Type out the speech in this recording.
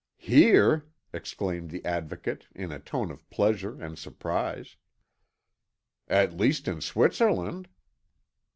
"Here!" exclaimed the Advocate, in a tone of pleasure and surprise. "At least in Switzerland."